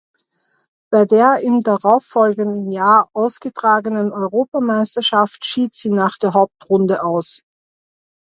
Bei der im darauffolgenden Jahr ausgetragenen Europameisterschaft schied sie nach der Hauptrunde aus.